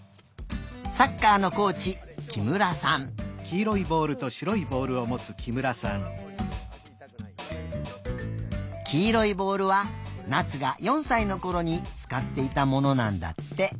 サッカーのコーチきいろいボールはなつが４さいのころにつかっていたものなんだって。